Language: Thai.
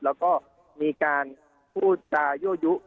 แล้วก็มีการพูดจายั่วยุ